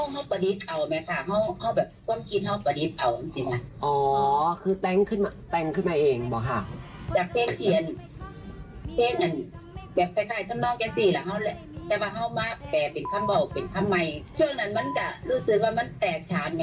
คิดได้ได้เองบ้างกันสิมั้ยฮะนี่มันก็จะบางเพื่อนมันจะคิดได้ของมันเอง